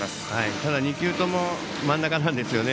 ただ２球とも真ん中ですね。